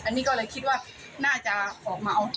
อันนี้ก็เลยคิดว่าน่าจะออกมาเอา